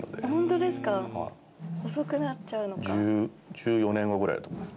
１４年後ぐらいだと思います。